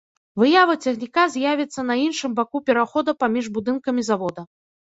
Выява цягніка з'явіцца на іншым баку перахода паміж будынкамі завода.